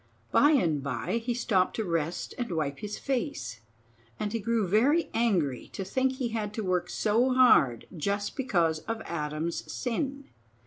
By and by he stopped to rest and wipe his face; and he grew very angry to think he had to work so hard just because of Adam's sin.